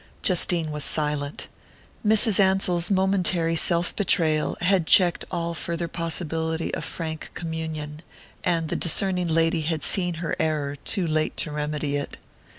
Justine was silent. Mrs. Ansell's momentary self betrayal had checked all farther possibility of frank communion, and the discerning lady had seen her error too late to remedy it.